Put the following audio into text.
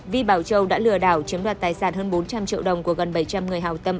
vi bảo châu đã lừa đảo chiếm đoạt tài sản hơn bốn trăm linh triệu đồng của gần bảy trăm linh người hào tâm